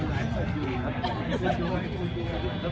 แม่กับผู้วิทยาลัย